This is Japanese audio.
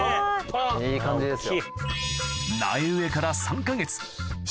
いい感じですよ。